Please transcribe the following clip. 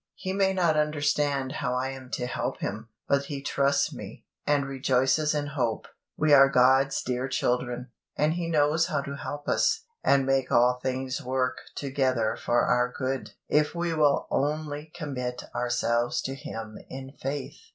He may not understand how I am to help him, but he trusts me, and rejoices in hope. We are God's dear children, and He knows how to help us, and make all things work together for our good, if we will only commit ourselves to Him in faith.